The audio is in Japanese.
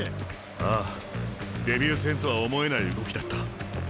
ああデビュー戦とは思えない動きだった。